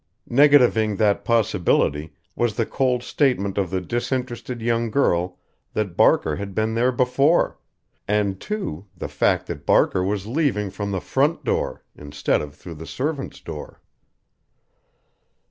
Negativing that possibility was the cold statement of the disinterested young girl that Barker had been there before, and, too, the fact that Barker was leaving from the front door instead of through the servant's door.